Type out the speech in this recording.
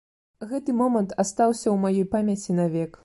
Гэты момант астаўся ў маёй памяці навек.